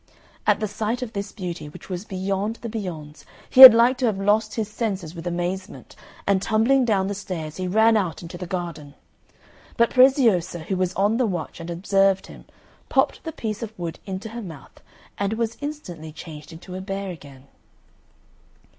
At the sight of this beauty, which was beyond the beyonds, he had like to have lost his senses with amazement, and tumbling down the stairs he ran out into the garden. But Preziosa, who was on the watch and observed him, popped the piece of wood into her mouth, and was instantly changed into a bear again.